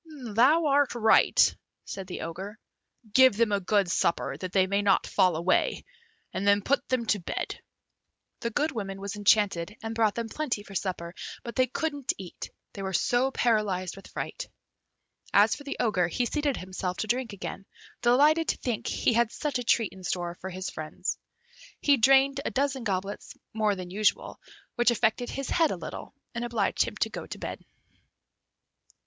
"Thou art right," said the Ogre; "give them a good supper, that they may not fall away, and then put them to bed." The good woman was enchanted, and brought them plenty for supper, but they couldn't eat, they were so paralysed with fright. As for the Ogre, he seated himself to drink again, delighted to think he had such a treat in store for his friends. He drained a dozen goblets more than usual, which affected his head a little, and obliged him to go to bed.